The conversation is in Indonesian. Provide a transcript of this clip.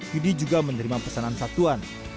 yudi juga menerima pesanan satuan